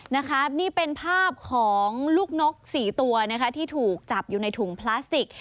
นะครับนี่เป็นภาพของลูกนกสี่ตัวนะคะที่ถูกจับอยู่ในถุงพลาสติก